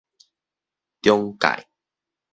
中介